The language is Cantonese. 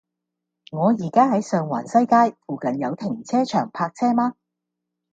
我依家喺上環西街，附近有停車場泊車嗎